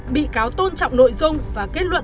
bị cáo tôn trọng nội dung và kết luận